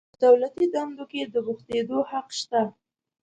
په دولتي دندو کې د بوختیدو حق شته.